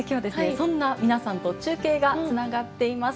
そんな皆さんと中継がつながっています。